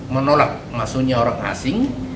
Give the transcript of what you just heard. menolak masunya orang asing